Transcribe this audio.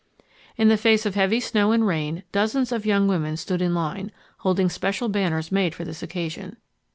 In the face of heavy snow and rain, dozens of young women stood in line, holding special banners made for this occasion.